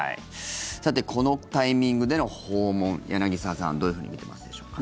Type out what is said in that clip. さてこのタイミングでの訪問柳澤さんはどういうふうに見てますでしょうか。